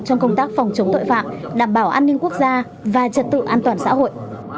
trong công tác phòng chống tội phạm đảm bảo an ninh quốc gia và trật tự an toàn xã hội